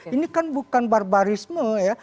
ini kan bukan barbarisme ya